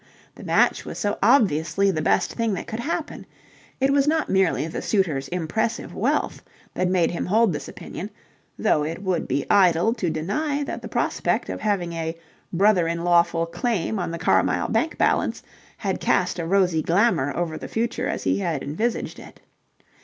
The match was so obviously the best thing that could happen. It was not merely the suitor's impressive wealth that made him hold this opinion, though it would be idle to deny that the prospect of having a brother in lawful claim on the Carmyle bank balance had cast a rosy glamour over the future as he had envisaged it.